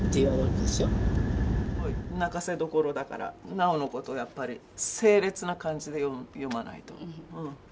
泣かせどころだからなおのことやっぱり凄烈な感じで読まないと。